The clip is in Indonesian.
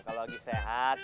kalau lagi sehat